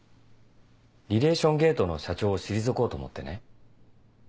リレーション・ゲートの社長を退こうと思ってね。